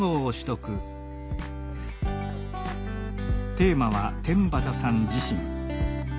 テーマは天畠さん自身。